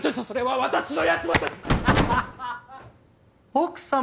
奥様！